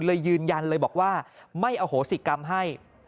ยืนยันเลยบอกว่าไม่อโหสิกรรมให้